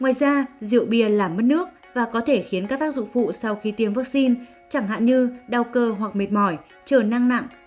ngoài ra rượu bia làm mất nước và có thể khiến các tác dụng phụ sau khi tiêm vaccine chẳng hạn như đau cơ hoặc mệt mỏi chờ năng nặng